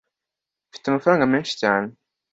mfite amafaranga menshi cyane